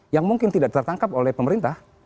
yang mungkin tidak tertangkap oleh pemerintah